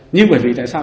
nhưng bởi vì tại sao